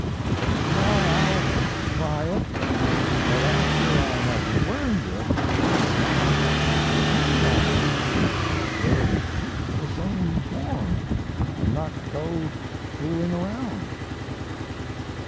"Very well, I'll try it; but, after I have learned it, can I depend on it? Will it keep the same form, and not go fooling around?"